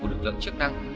của lực lượng chức năng